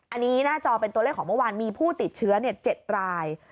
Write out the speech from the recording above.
อันนี้หน้าจอเป็นตัวเลขของเมื่อวานมีผู้ติดเชื้อ๗ราย